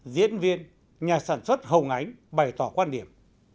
diễn viên nhà sản xuất hồng ánh bày tỏ quan điểm